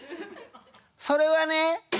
それはね